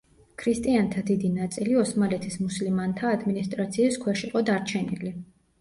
ქრისტიანთა დიდი ნაწილი ოსმალეთის მუსლიმანთა ადმინისტრაციის ქვეშ იყო დარჩენილი.